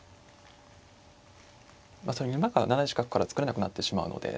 それに馬が７一角からは作れなくなってしまうので。